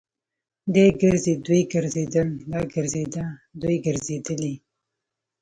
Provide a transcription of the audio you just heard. دی ګرځي. دوی ګرځيدل. دا ګرځيده. دوی ګرځېدلې.